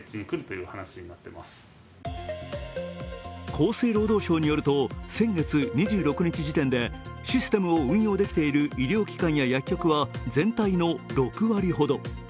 厚生労働省によると、先月２６日時点でシステムを運用できている医療機関や薬局は、全体の６割ほど。